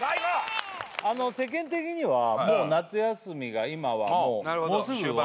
あの世間的にはもう夏休みが今はもうなるほど終盤